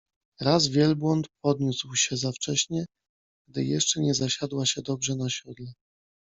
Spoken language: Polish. Raz wielbłąd podniósł się za wcześnie, gdy jeszcze nie zasiadła się dobrze na siodle.